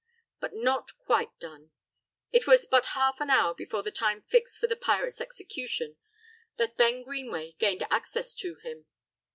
But not quite done. It was but half an hour before the time fixed for the pirate's execution that Ben Greenway gained access to him.